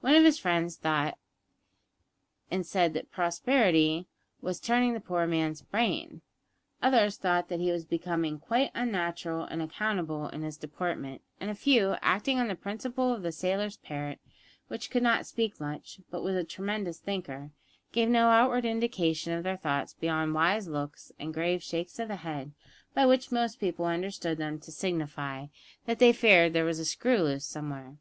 One of his friends thought and said that prosperity was turning the poor man's brain. Others thought that he was becoming quite unnatural and unaccountable in his deportment; and a few, acting on the principle of the sailor's parrot, which "could not speak much, but was a tremendous thinker," gave no outward indication of their thoughts beyond wise looks and grave shakes of the head, by which most people understood them to signify that they feared there was a screw loose somewhere.